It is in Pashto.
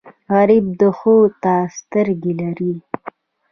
غریب د ښو ته سترګې لري